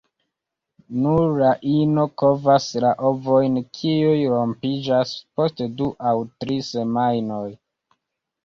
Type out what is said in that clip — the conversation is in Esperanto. Nur la ino kovas la ovojn, kiuj rompiĝas post du aŭ tri semajnoj.